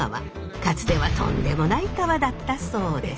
かつてはとんでもない川だったそうです。